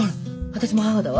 私も母だわ。